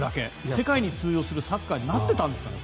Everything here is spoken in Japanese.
世界に通用するサッカーになっていたんですかね？